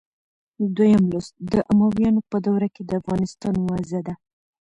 دویم لوست د امویانو په دوره کې د افغانستان وضع ده.